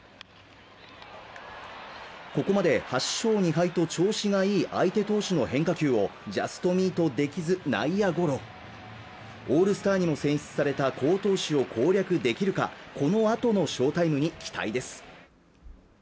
ここまで８勝２敗と調子がいい相手投手の変化球をジャストミートできず内野ゴロオールスターにも選出された好投手を攻略できるかこのあとの翔タイムに期待です